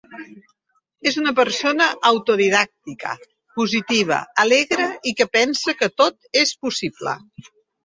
És una persona autodidàctica, positiva, alegre i que pensa que tot és possible.